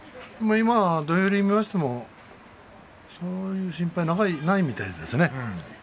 今、土俵入りを見ましてもそういう心配ないみたいですね。